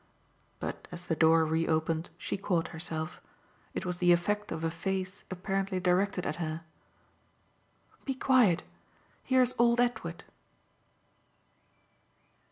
But as the door reopened she caught herself. It was the effect of a face apparently directed at her. "Be quiet. Here's old Edward."